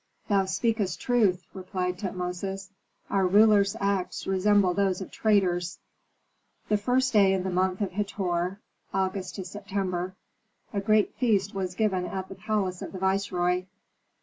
"Thou speakest truth," replied Tutmosis; "our rulers' acts resemble those of traitors." The first day in the month of Hator (August September) a great feast was given at the palace of the viceroy.